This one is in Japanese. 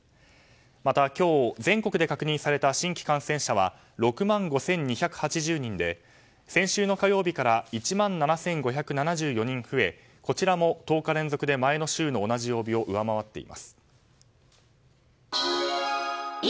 また、今日全国で確認された新規感染者は６万５２８０人で先週の火曜日から１万７５７４人増えこちらも１０日連続で前の週の同じ曜日を上回っています。